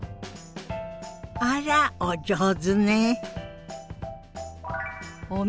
あらお上手ね。